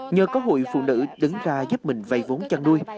nhờ có hội phụ nữ đứng ra giúp mình vây vốn chăn nuôi